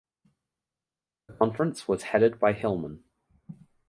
The conference was headed by Hilman.